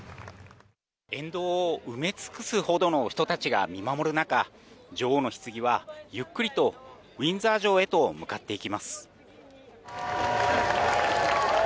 沿道を埋め尽くすほどの人たちが見守る中、女王のひつぎは、ゆっくりとウィンザー城へと向かっていきます。